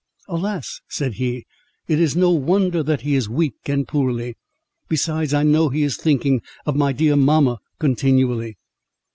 —"Alas!" said he, "it is no wonder that he is weak and poorly; besides, I know he is thinking of my dear mamma continually."